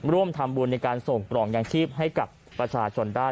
ร่วมทำบุญในการส่งกล่องยางชีพให้กับประชาชนได้